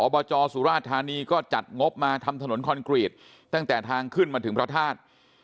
บจสุราชธานีก็จัดงบมาทำถนนคอนกรีตตั้งแต่ทางขึ้นมาถึงพระธาตุ